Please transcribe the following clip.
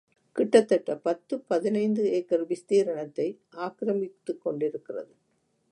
கிட்டத்தட்ட பத்துப் பதினைந்து ஏக்கர் விஸ்தீரணத்தை ஆக்கிரமித்துக் கொண்டிருக்கிறது.